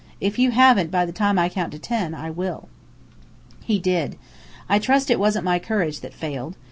If you haven't by the time I count ten, I will." He did. I trust it wasn't my courage that failed.